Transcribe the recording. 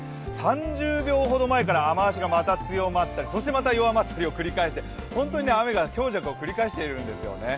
３０秒ほど前から雨足が強まったりそしてまた弱まったりを繰り返して本当に雨が強弱を繰り返しているんですよね。